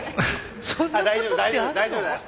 大丈夫大丈夫大丈夫だよ。